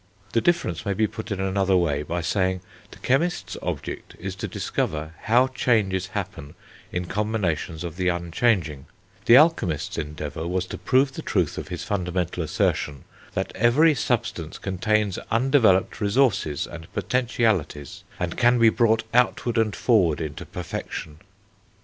The difference may be put in another way by saying: the chemist's object is to discover "how changes happen in combinations of the unchanging"; the alchemist's endeavour was to prove the truth of his fundamental assertion, "that every substance contains undeveloped resources and potentialities, and can be brought outward and forward into perfection."